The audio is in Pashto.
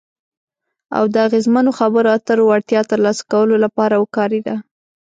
او د اغیزمنو خبرو اترو وړتیا ترلاسه کولو لپاره وکارېده.